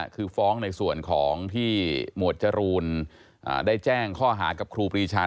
คือฟ้องในส่วนของที่หมวดจรูนได้แจ้งข้อหากับครูปรีชา